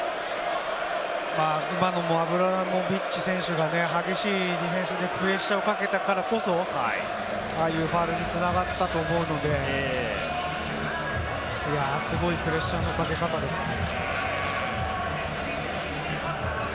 今のもアブラモビッチ選手がね、激しいディフェンスでプレッシャーをかけたからこそ、ああいうファウルに繋がったと思うので、すごいプレッシャーのかけ方ですね。